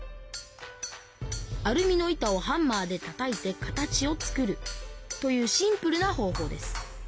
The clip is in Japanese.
アルミの板をハンマーでたたいて形を作るというシンプルな方法です。